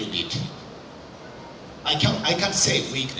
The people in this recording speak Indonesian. saya tidak bisa mengatakan kelemahan